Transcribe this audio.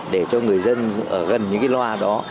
để cho người dân ở gần những cái loa đó